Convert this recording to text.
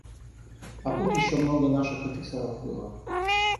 А тут ещё много наших офицеров было.